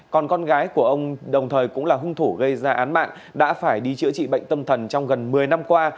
còn con gái của ông đồng thời cũng là hung thủ gây ra án mạng đã phải đi chữa trị bệnh tâm thần trong gần một mươi năm qua